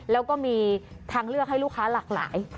แล้วก็มีทางเลือกให้ลูกค้าหลากหลาย